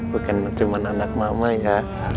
bukan cuma anak mama ya